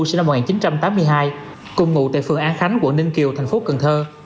sinh năm một nghìn chín trăm tám mươi hai cùng ngụ tại phường an khánh quận ninh kiều thành phố cần thơ